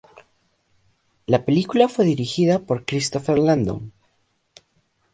La película fue dirigida por Christopher Landon.